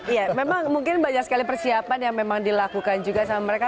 iya memang mungkin banyak sekali persiapan yang memang dilakukan juga sama mereka